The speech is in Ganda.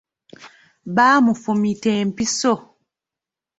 Bamufumita empiso.